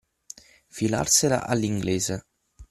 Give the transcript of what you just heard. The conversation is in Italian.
Filarsela all'inglese.